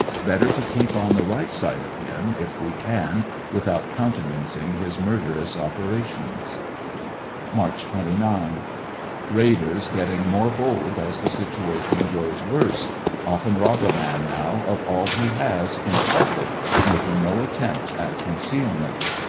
Better to keep on the right side of him, if we can without countenancing his murderous operations. March 29.— Raiders getting more bold as the situation grows worse. Often rob a man now of all he has, m public, making no attempt at comcealment.